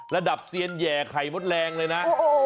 เซียนแห่ไข่มดแรงเลยนะ